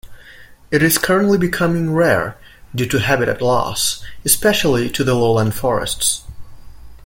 It is currently becoming rare due to habitat loss, especially to the lowland forests.